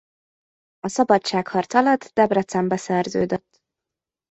A szabadságharc alatt Debrecenbe szerződött.